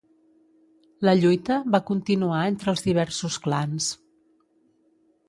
La lluita va continuar entre els diversos clans.